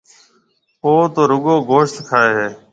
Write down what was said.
او تو رُگو گوشت کائي هيَ۔